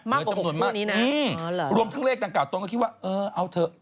จำนวนมากนี้นะรวมทั้งเลขดังกล่าตนก็คิดว่าเออเอาเถอะ